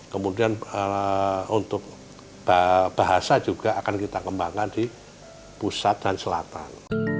kemudian untuk bahasa juga akan kita kembangkan di pusat dan selatan